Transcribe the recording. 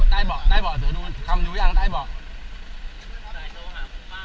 ได้เบาะเดี๋ยวดูคำดูอย่างนั่นได้เบาะ